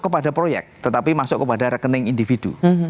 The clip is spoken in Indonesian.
kepada proyek tetapi masuk kepada rekening individu